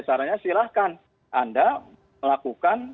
caranya silahkan anda melakukan